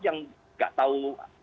yang tidak tahu